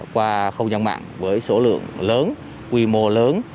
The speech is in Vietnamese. qua không gian mạng với số lượng lớn quy mô lớn